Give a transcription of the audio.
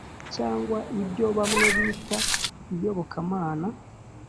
cyangwa ibyo bamwe bita "iyobokamana"